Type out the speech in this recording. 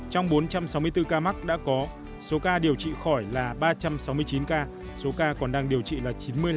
trong bốn trăm sáu mươi bốn ca mắc đã có số ca điều trị khỏi là ba trăm sáu mươi chín ca số ca còn đang điều trị là chín mươi năm ca